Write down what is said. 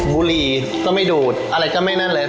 บุรีก็ไม่ดูดอะไรก็ไม่นั่นเลย